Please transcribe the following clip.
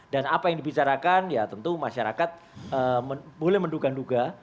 dan apa yang dibicarakan ya tentu masyarakat boleh menduga duga